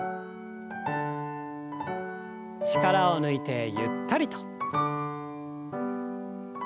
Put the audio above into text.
力を抜いてゆったりと。